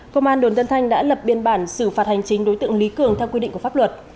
công an đồn tân thanh đã lập biên bản xử phạt hành chính đối tượng lý cường theo quy định của pháp luật